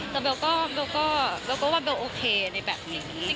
แต่เบลก็เบลก็ว่าเบลโอเคในแบบนี้